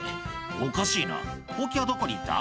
おかしいなほうきはどこにいった？」